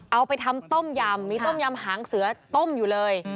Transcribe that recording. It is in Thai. เอาไปทำต้มยำมีต้มยำหางเสือต้มอยู่เลย